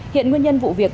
hiện nguyên nhân vụ việc